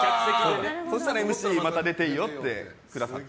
そうしたらＭＣまた出て行いよって言ってくださって。